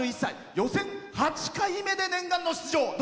予選８回目で念願の出場。